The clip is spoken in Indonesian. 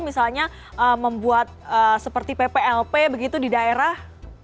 misalnya membuat seperti pplp begitu di daerah